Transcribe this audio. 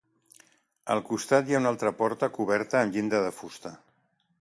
Al costat hi ha una altra porta coberta amb llinda de fusta.